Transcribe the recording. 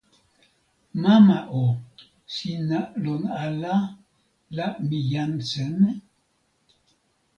mama o, sina lon ala la mi jan seme?